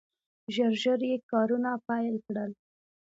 ژر ژر یې کارونه پیل کړل.